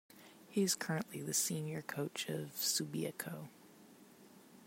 He is currently the senior coach of Subiaco.